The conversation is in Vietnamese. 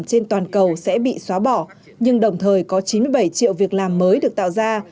trên toàn cầu sẽ bị xóa bỏ nhưng đồng thời có chín mươi bảy triệu việc làm mới được tạo ra